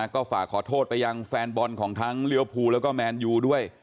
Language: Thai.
ก็ฝากขอโทษไปยังแฟนบอลของทั้งเลี้ยวภูแล้วก็แมนยูด้วย